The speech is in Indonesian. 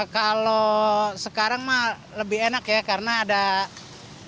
kalau sekarang lebih enak ya karena ada guiding block